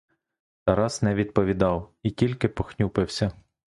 Тарас не відповідав і тільки похнюпився.